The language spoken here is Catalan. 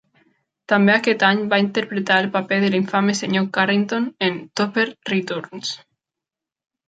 També aquest any va interpretar el paper del infame Senyor Carrington en "Topper Returns".